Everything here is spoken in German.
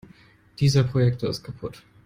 Dieser Projektor ist kaputt.